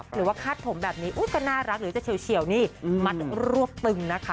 หรือว่าคาดผมแบบนี้ก็น่ารักหรือจะเฉียวนี่มัดรวบตึงนะคะ